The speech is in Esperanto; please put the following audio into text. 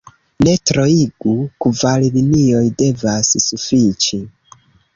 Ne troigu: kvar linioj devas sufiĉi.